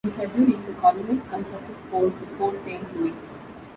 In February, the colonists constructed Fort Saint Louis.